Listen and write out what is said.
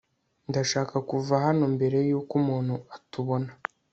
ndashaka kuva hano mbere yuko umuntu atubona